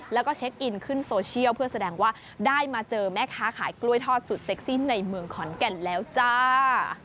แล้วก็เช็คอินขึ้นโซเชียลเพื่อแสดงว่าได้มาเจอแม่ค้าขายกล้วยทอดสุดเซ็กซี่ในเมืองขอนแก่นแล้วจ้า